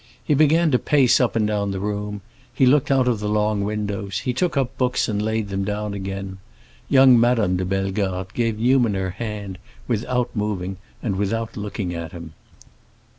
He began to pace up and down the room, he looked out of the long windows, he took up books and laid them down again. Young Madame de Bellegarde gave Newman her hand without moving and without looking at him.